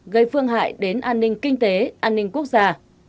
gây phương hại đến an ninh kinh tế an ninh quốc gia